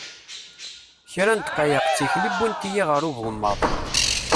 Kra n ddqayeq d tikli wwint-iyi ɣer ugemmaḍ.